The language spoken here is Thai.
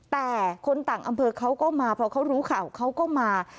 แต่คนต่างอำเภอเขาก็มาเพราะเขารู้ข่าวเขาก็มา